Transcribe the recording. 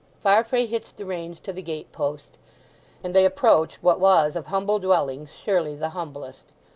Farfrae hitched the reins to the gate post, and they approached what was of humble dwellings surely the humblest.